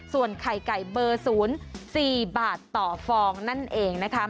ส่วนไข่ไก่เบอร์๐๔บาทต่อฟองนั่นเองนะคะ